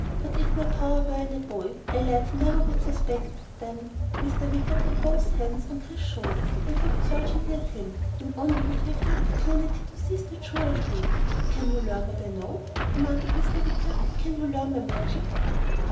But if my power were in a boy a lad he never would suspect then " Mr. Wicker put both hands on Chris's shoulders and looked searchingly at him "then only would we have an opportunity to seize the Jewel Tree. Can you learn what I know?" demanded Mr. Wicker. "Can you learn my magic?"